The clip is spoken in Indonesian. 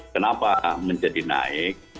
kenapa menjadi naik